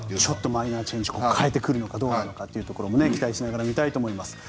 マイナーチェンジ変えてくるのかも期待しながら見たいと思います。